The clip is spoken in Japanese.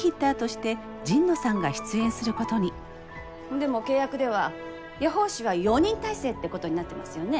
でも契約では予報士は４人体制ってことになってますよね？